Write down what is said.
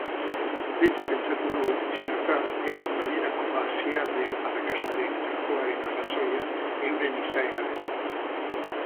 Beti pentsatu dugu txinatar edo gainerako asiarren arrakastaren gakoaren arrazoia euren izaera dela.